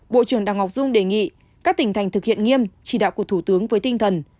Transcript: bộ trưởng đào ngọc dung đề nghị các tỉnh thành thực hiện nghiêm chỉ đạo của thủ tướng với tinh thần